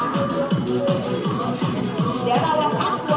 ยกทรอบพักหัวเข่ามาแล้ว